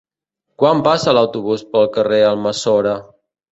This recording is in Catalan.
Quan passa l'autobús pel carrer Almassora?